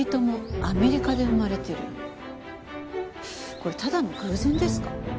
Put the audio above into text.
これただの偶然ですか？